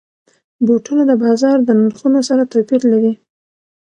بوټونه د بازار د نرخونو سره توپیر لري.